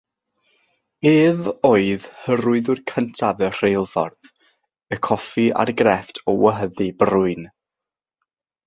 Ef oedd hyrwyddwr cyntaf y rheilffordd, y coffi a'r grefft o wehyddu brwyn.